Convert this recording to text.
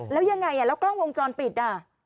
แล้วยังไงแล้วกล้องวงจรปิดอ่ะ